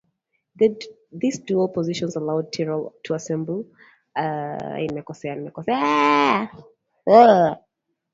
These dual positions allowed Terral to assembly a range of statewide political contacts.